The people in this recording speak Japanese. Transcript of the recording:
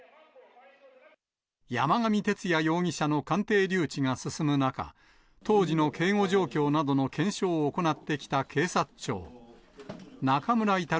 山上徹也容疑者の鑑定留置が進む中、当時の警護状況などの検証を行ってきた警察庁。